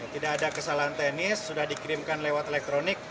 tidak ada kesalahan teknis sudah dikirimkan lewat elektronik